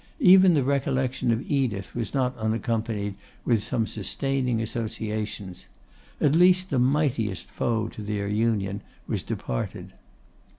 Even the recollection of Edith was not unaccompanied with some sustaining associations. At least the mightiest foe to their union was departed.